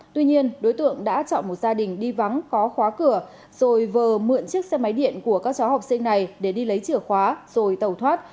tuy nhiên đối tượng đã chọn một gia đình đi vắng có khóa cửa rồi vờ mượn chiếc xe máy điện của các cháu học sinh này để đi lấy chìa khóa rồi tàu thoát